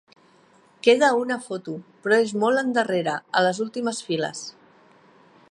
Queda una foto, però és molt endarrere, a les últimes files.